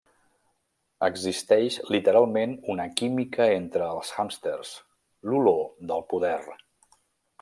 Existeix literalment una química entre els hàmsters: l'olor del poder.